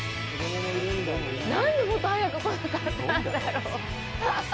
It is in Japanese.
何でもっと早く来なかったんだろう。